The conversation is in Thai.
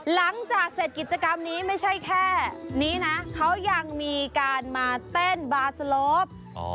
หลังจากเสร็จกิจกรรมนี้ไม่ใช่แค่นี้นะเขายังมีการมาเต้นบาร์สโลป